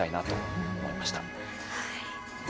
はい。